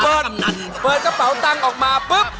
เปิดกระเป๋าตังค์ออกมาปุ๊บ